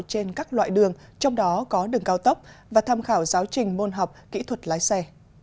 trên các loại đường trong đó có đường cao tốc và tham khảo giáo trình môn học kỹ thuật lái xe